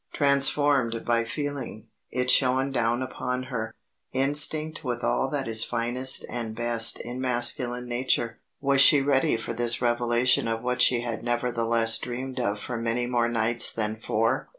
Transformed by feeling, it shone down upon her, instinct with all that is finest and best in masculine nature. Was she ready for this revelation of what she had nevertheless dreamed of for many more nights than four?